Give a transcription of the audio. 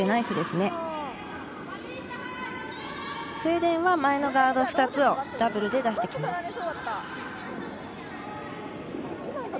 スウェーデンは前のガード２つをダブルで出してきます。